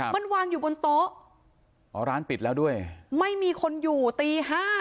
มันวางอยู่บนโต๊ะอ๋อร้านปิดแล้วด้วยไม่มีคนอยู่ตีห้า